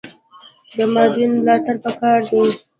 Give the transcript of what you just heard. د مادون ملاتړ پکار دی